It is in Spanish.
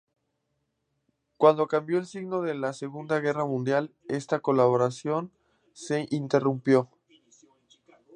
Cuando cambió el signo de la Segunda Guerra Mundial esta colaboración se interrumpió.